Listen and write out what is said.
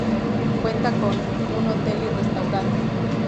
Cuenta con un hotel y restaurante.